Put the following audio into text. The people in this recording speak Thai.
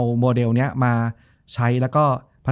จบการโรงแรมจบการโรงแรม